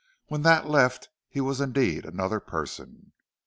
When that left he was indeed another person.